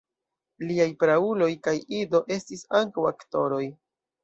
Liaj prauloj kaj ido estis ankaŭ aktoroj.